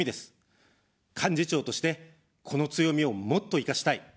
幹事長として、この強みをもっと生かしたい。